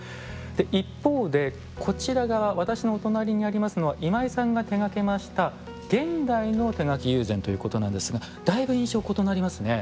一方でこちら側私のお隣にありますのは今井さんが手がけました現代の手描き友禅ということなんですがだいぶ印象異なりますね。